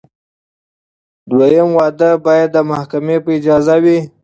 دویم واده باید د محکمې په اجازه وي.